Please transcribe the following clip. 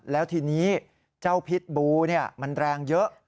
แล้วทีนี้เจ้าพิษบูมันแรงเยอะ